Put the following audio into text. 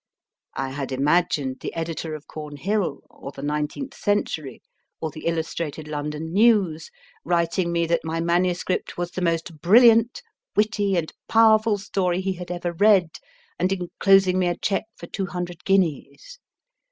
I had imagined the editor of Cornhill, or the Nineteenth Century, or The Illus trated London Neivs writing me that my manuscript was the most brilliant, witty, and powerful story he had ever read, and enclosing me a cheque for two hundred guineas.